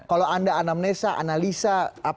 kalau anda analisa